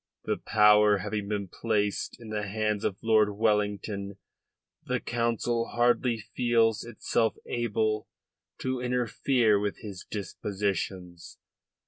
The power having been placed in the hands of Lord Wellington, the Council hardly feels itself able to interfere with his dispositions.